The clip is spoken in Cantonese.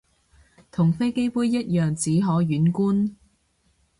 同飛機杯一樣只可遠觀